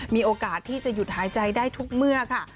มีโอกาสที่จะหยุดหายใจได้ทุกเมื่อค่ะ